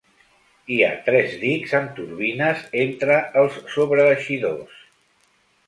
Hi ha tres dics amb turbines entre els sobreeixidors.